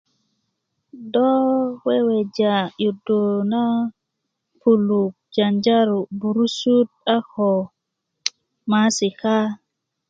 do weweja 'yuudu na kuluk janjaro burusut a ko Maasika